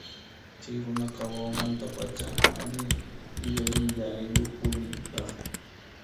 Chay runaqa wawamantapacha allin yuyaynillayuqpuni kaq.